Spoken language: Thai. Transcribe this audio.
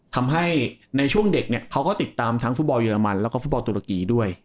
ทำให้ในช่วงเด็กเนี่ยเขาก็ติดตามทั้งฟุตบอลเรมันแล้วก็ฟุตบอลตุรกีด้วย